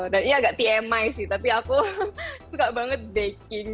dan ini agak tmi sih tapi aku suka banget baking